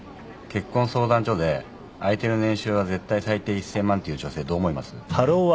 結婚相談所で相手の年収は絶対最低１，０００万って言う女性どう思います？